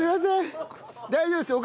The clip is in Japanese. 大丈夫ですよ女将。